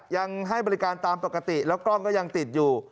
ยังให้บริการตามปกติแล้วกล้องก็ยังติดอยู่